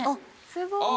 すごい！